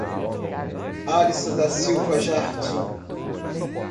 Alisson da Silva Jardim